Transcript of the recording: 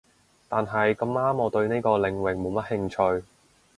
但係咁啱我對呢個領域冇乜興趣